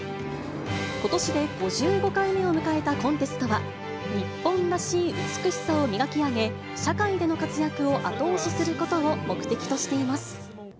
ことしで５５回目を迎えたコンテストは、日本らしい美しさを磨き上げ、社会での活躍を後押しすることを目的としています。